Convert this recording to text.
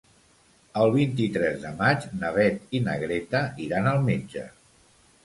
El vint-i-tres de maig na Beth i na Greta iran al metge.